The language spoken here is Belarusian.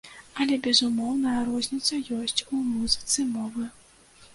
Але безумоўная розніца ёсць у музыцы мовы.